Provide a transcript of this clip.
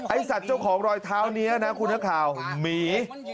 สัตว์เจ้าของรอยเท้านี้นะคุณนักข่าวหมี